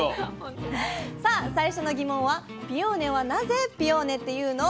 さあ最初のギモンは「ピオーネはなぜ『ピオーネ』っていうの？」。